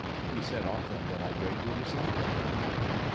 He said often that I greatly resembled her."